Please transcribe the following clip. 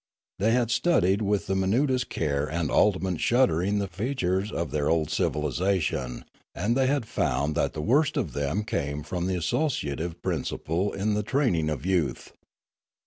They had studied with the minutest care and ultimate shuddering the features of their old civilisation, and they had found that the worst of them came from the associative principle in the training of youth.